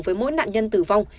với mỗi nạn nhân tử vong